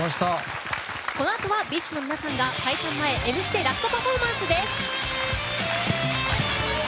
このあとは、ＢｉＳＨの皆さんが解散前「Ｍステ」ラストパフォーマンスです。